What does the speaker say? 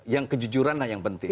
yang kejujuran lah yang penting